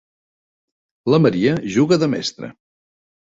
La Maria juga de mestra.